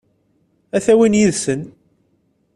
Ad t-awin yid-sen?